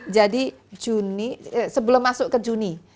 jadi juni sebelum masuk ke juni